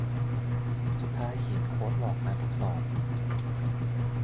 สุดท้ายเขียนโค้ดหลอกการทดสอบ